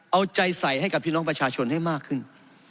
เอาใจใส่ให้กับพี่น้องประชาชนให้มากขึ้น